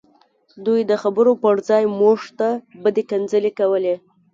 دوی د خبرو پرځای موږ ته بدې کنځلې کولې